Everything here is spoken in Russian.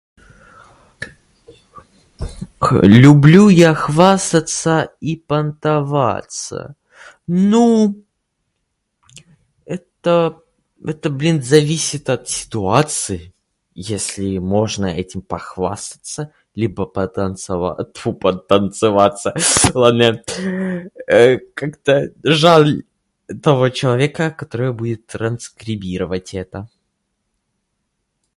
К- Люблю я хвастаться и понтоваться? Ну-у, это это, блин, зависит от ситуации. Если можно этим похвастаться, либо патанцава- тьфу! Потанцеваться ладно [disfluency|э], как-то жаль того человека, который будет транскрибировать это.